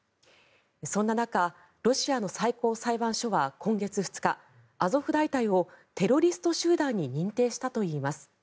そんな中ロシアの最高裁判所は今月２日アゾフ大隊をテロリスト集団に認定したといいます。